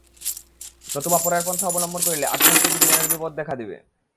নতুবা পরের পন্থা অবলম্বন করিলে আধ্যাত্মিক জীবনে বিপদ দেখা দিবে।